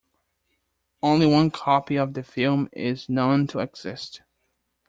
Only one copy of the film is known to exist.